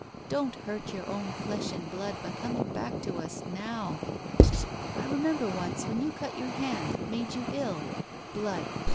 Don't hurt your own flesh and blood by coming back to us — now. I remember once when you cut your hand it made you ill. Blood!